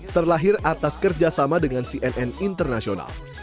terlahir atas kerjasama dengan cnn internasional